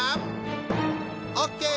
オッケー！